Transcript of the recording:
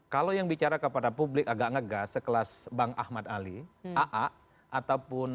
kalau yang bicara kepada publik agak ngegas sekelas bang ahmad ali aa ataupun